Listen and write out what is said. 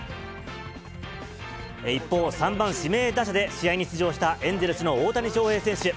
一方、３番指名打者で試合に出場したエンゼルスの大谷翔平選手。